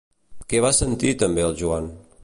Què va sentir també el Joan?